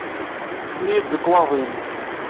Ssken-iyi-d lekwaɣeḍ-nnek!